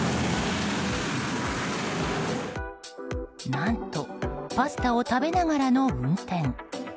何とパスタを食べながらの運転。